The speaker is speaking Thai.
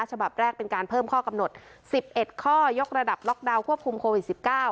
ฉบับแรกเป็นการเพิ่มข้อกำหนด๑๑ข้อยกระดับล็อกดาวน์ควบคุมโควิด๑๙